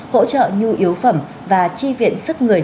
hỗ trợ nhu yếu phẩm và chi viện sức người